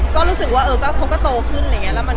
ก็ดีรู้สึกคตโตขึ้น